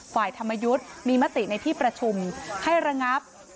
ฝ่ายธรรมยุทธ์มีมติในที่ประชุมให้ระงับ